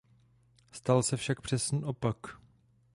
Stal se však přesný opak.